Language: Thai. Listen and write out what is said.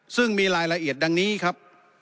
ซึ่งมีรายละเอียดดังนี้ครับ